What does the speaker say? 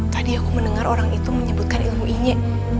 tadi aku mendengar orang itu menyebutkan ilmu ini